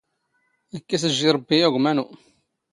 ⴰⴷ ⴽ ⵉⵙⵊⵊⵉ ⵕⴱⴱⵉ ⴰ ⴳⵯⵎⴰ ⵉⵏⵓ.